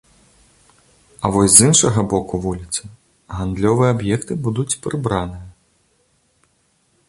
А вось з іншага боку вуліцы гандлёвыя аб'екты будуць прыбраныя.